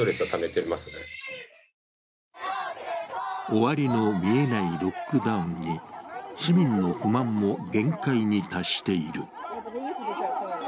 終わりの見えないロックダウンに市民の不満も限界に達している。